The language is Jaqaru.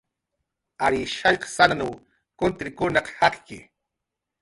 Ary shallqsananw kuntirkunaq jakki